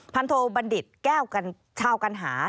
พันธุบัณฑิตแก้วชาวกันหา